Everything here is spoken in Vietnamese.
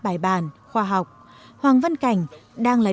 bài bàn khoa học hoàng văn cảnh đang là